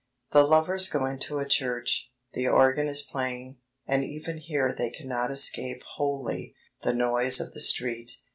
The lovers go into a church. The organ is playing, and even here they cannot escape wholly the noise of the street.